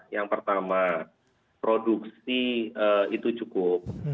yang pertama produksi itu cukup